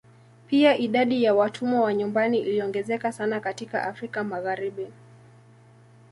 Pia idadi ya watumwa wa nyumbani iliongezeka sana katika Afrika Magharibi.